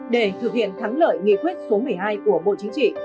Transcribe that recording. để thực hiện thắng lợi nghị quyết số một mươi hai của bộ chính trị